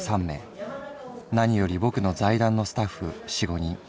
何よりぼくの財団のスタッフ四五人。